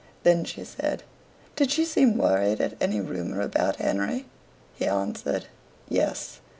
Then she said: "Did she seem worried at any rumour about Henry?" He answered, "Yes."